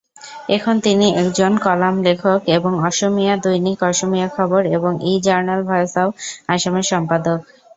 এখন তিনি একজন কলাম লেখক এবং অসমীয়া দৈনিক অসমীয়া খবর এবং ই-জার্নাল ভয়েস অফ আসামের সম্পাদক।